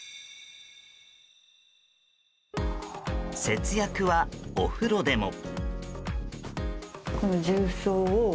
節約は、お風呂でも。